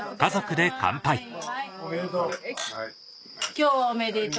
おめでとう。